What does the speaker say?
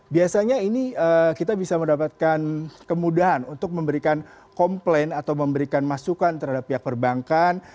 biasanya ini kita bisa mendapatkan kemudahan untuk memberikan komplain atau memberikan masukan terhadap pihak perbankan